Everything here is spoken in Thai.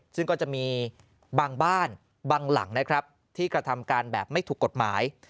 ซึ่งก็จะมีบางบ้านบางหลังนะครับที่กระทำการแบบไม่ถูกกฎหมาย